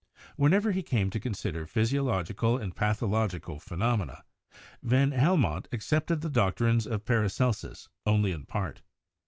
When he came to consider physiological and patholog ical phenomena, van Helmont accepted the doctrines of Paracelsus only in part.